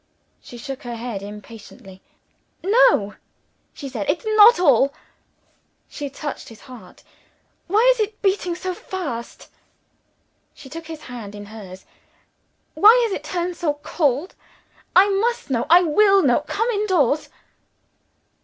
She shook her head impatiently. "No," she said, "it's not all." She touched his heart. "Why is it beating so fast?" She took his hand in hers. "Why has it turned so cold? I must know. I will know! Come indoors."